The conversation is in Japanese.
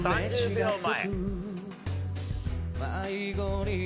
１０秒前。